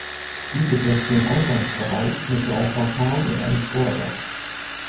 Diese birgt den Eingangsbereich mit drei Portalen und einem Vordach.